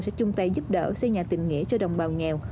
sẽ chung tay giúp đỡ xây nhà tình nghĩa cho đồng bào nghèo